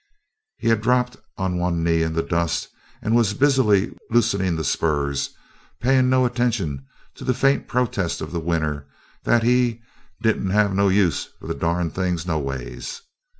He had dropped on one knee in the dust and was busily loosening the spurs, paying no attention to the faint protests of the winner that he "didn't have no use for the darned things no ways."